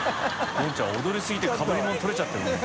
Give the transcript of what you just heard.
どんちゃん踊りすぎてかぶり物取れちゃってるもんな。